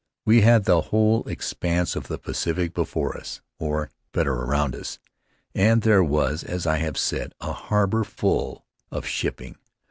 We had the whole expanse of the Pacific before us, or, better, around us, and there was, as I have said, a harbor full of shipping.